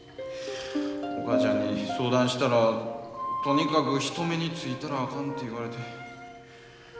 お母ちゃんに相談したらとにかく人目についたらあかんて言われて。